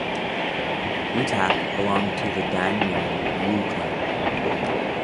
U Tak belonged to the Danyang Woo clan.